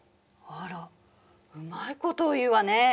あらうまいこと言うわね。